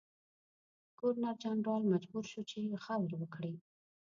ګورنرجنرال مجبور شو چې غور وکړي.